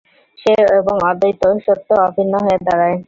সে এবং অদ্বৈত সত্য অভিন্ন হয়ে দাঁড়ায়।